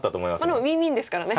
でもウィンウィンですからね。